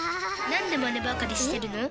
なんでマネばかりしてるの？